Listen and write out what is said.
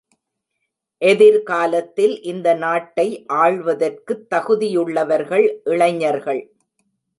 எதிர்காலத்தில் இந்த நாட்டை ஆள்வதற்குத் தகுதியுள்ளவர்கள் இளைஞர்கள்.